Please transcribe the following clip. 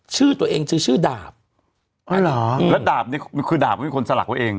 ชื่อตัวเองชื่อชื่อดาบอ๋อเหรอแล้วดาบเนี้ยคือดาบเป็นคนสลักไว้เอง